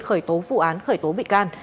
khởi tố vụ án khởi tố bị can